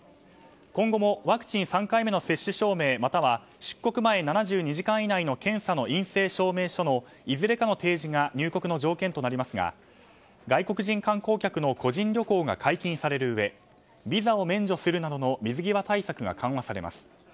今後もワクチン３回目の接種証明または出国前７２時間以内の検査の陰性証明書のいずれかの提示が入国の条件となりますが外国人観光客の個人旅行が解禁されるうえビザを免除するなどの水際対策が緩和されます。